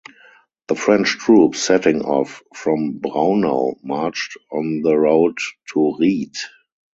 The French troops setting off from Braunau marched on the road to Ried.